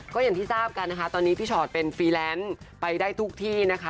ก็อย่างที่ทราบกันนะคะตอนนี้พี่ชอตเป็นฟรีแลนซ์ไปได้ทุกที่นะคะ